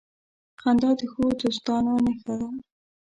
• خندا د ښو دوستانو نښه ده.